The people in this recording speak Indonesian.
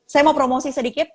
saya mau promosi sedikit